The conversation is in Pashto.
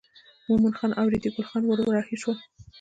مومن خان او ریډي ګل خان ور رهي شول.